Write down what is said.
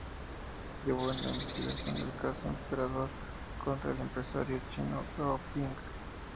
Llevó la investigación del caso Emperador, contra el empresario chino Gao Ping.